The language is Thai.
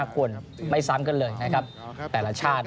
ควรไม่ซ้ำกันเลยนะครับแต่ละชาติ